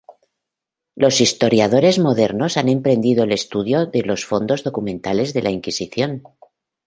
Los historiadores modernos han emprendido el estudio de los fondos documentales de la Inquisición.